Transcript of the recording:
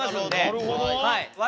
なるほど。笑